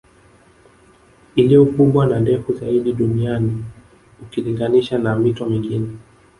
Iliyo kubwa na ndefu zaidi duniani ukilinganisha na mito mingine